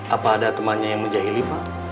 apa ada temannya yang menjahili pak